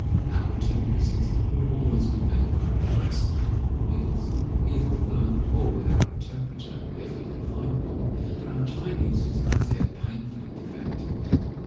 Our return visits would always be made by request, on the wheels, either alone or with our interpreter, if we could find one, for our Chinese was as yet painfully defective.